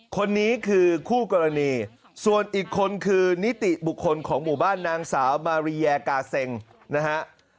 คนนี้คือคู่กรณีส่วนอีกคนคือนิติบุคคลของหมู่บ้านนางสาวมาริยากาเซ็งนะฮะ